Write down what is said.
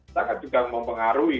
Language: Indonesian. setakat juga mempengaruhi